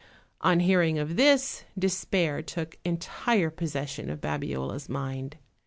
On hearing of this, despair took entire possession of Babiola's mind.